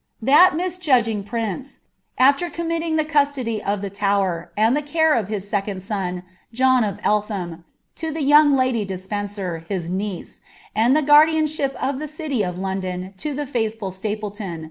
That misjuil^ prince, after comniiiiing Ihe custody of the Tower, aod the can of ha iieconil son, John of Ellham, to the young lady Despencer, liw niMt. and the guardianship of the city of London to the faithful Sutplcton.